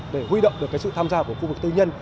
để huy động được sự tham gia của khu vực tư nhân